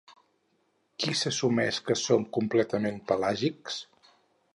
Qui s'assumeix que són completament pelàgics?